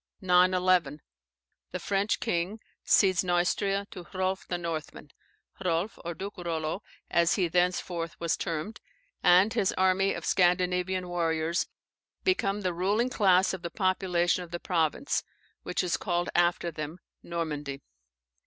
911, The French king cedes Neustria to Hrolf the Northman. Hrolf (or Duke Rollo, as he thenceforth was termed) and his army of Scandinavian warriors, become the ruling class of the population of the province, which is called after them Normandy.